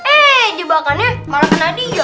eh jebakan ya malah kebuka pintunya